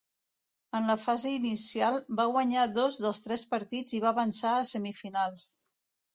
En la fase inicial va guanyar dos dels tres partits i va avançar a semifinals.